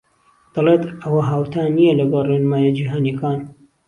دهڵێت ئهوه هاوتا نییه لهگهڵ رێنماییه جیهانییهکان